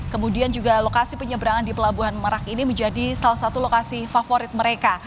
kemudian juga lokasi penyeberangan di pelabuhan merak ini menjadi salah satu lokasi favorit mereka